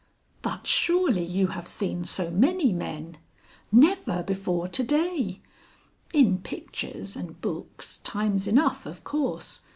"But surely you have seen so many men " "Never before to day. In pictures and books, times enough of course.